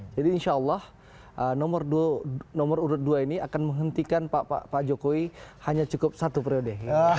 jadi insya allah nomor urut dua ini akan menghentikan pak jokowi hanya cukup satu periode